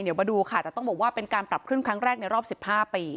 เดี๋ยวมาดูค่ะแต่ต้องบอกว่าเป็นการปรับขึ้นครั้งแรกในรอบ๑๕ปี